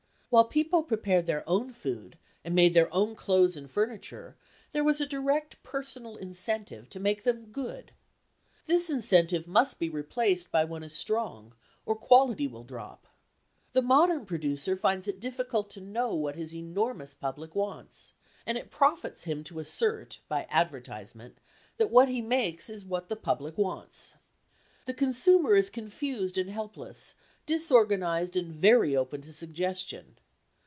While people prepared their own food and made their own clothes and furniture, there was a direct personal incentive to make them good. This incentive must be replaced by one as strong, or quality will drop. The modern producer finds it difficult to know what his enormous public wants, and it profits him to assert, by advertisement, that what he makes is what the public wants. The consumer is confused and helpless, disorganised and very open to suggestion.